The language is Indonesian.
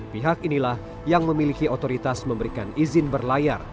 pihak inilah yang memiliki otoritas memberikan izin berlayar